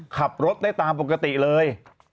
ขับรถได้ตามปกติเลย